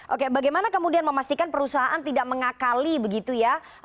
oke bagaimana kemudian memastikan perusahaan tidak mengakali begitu ya